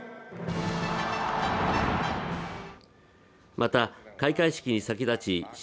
また、開会式に先立ち習